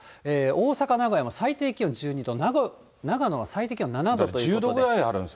大阪、名古屋も最低気温１２度、長野は最低気温７度ということで。